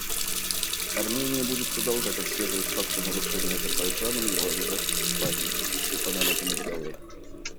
Армения будет продолжать отслеживать факты нарушения Азербайджаном его обязательств по вышеупомянутому Договору.